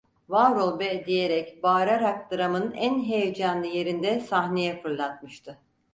"Var ol be!" diyerek bağırarak dramın en heyecanlı yerinde sahneye fırlatmıştı…